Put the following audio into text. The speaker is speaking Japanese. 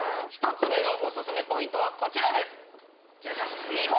１つ目のおすすめポイントはこちらです